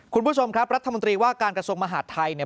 คุณผู้ชมครับรัฐมนตรีว่าการกระทรวงมหาดไทยเนี่ย